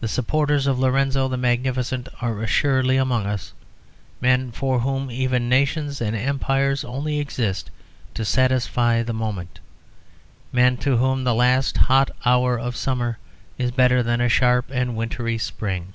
The supporters of Lorenzo the Magnificent are assuredly among us, men for whom even nations and empires only exist to satisfy the moment, men to whom the last hot hour of summer is better than a sharp and wintry spring.